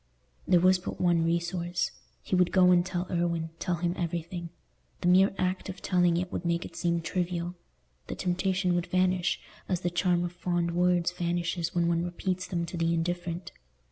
There was but one resource. He would go and tell Irwine—tell him everything. The mere act of telling it would make it seem trivial; the temptation would vanish, as the charm of fond words vanishes when one repeats them to the indifferent.